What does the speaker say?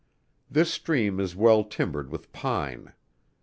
This stream is well timbered with pine.